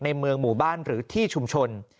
ในเมืองหมู่บ้านหรือที่ชุมชน